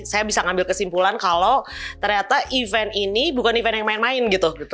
saya bisa ngambil kesimpulan kalau ternyata event ini bukan event yang main main gitu